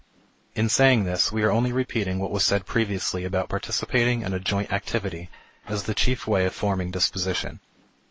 In saying this, we are only repeating what was said previously about participating in a joint activity as the chief way of forming disposition.